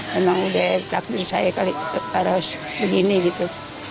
memang udah takdir saya kali harus begini gitu